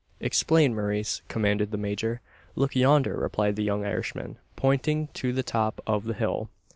"Explain, Maurice!" commanded the major. "Look yonder!" replied the young Irishman, pointing to the top of the hill.